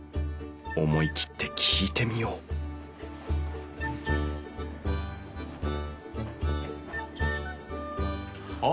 思い切って聞いてみようあ